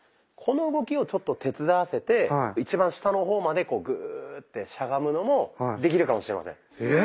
この動きをちょっと手伝わせて一番下の方までこうグーッてしゃがむのもできるかもしれません。